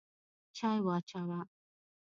چای واچوه!